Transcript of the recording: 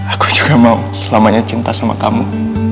aku juga mau selamanya cinta sama kamu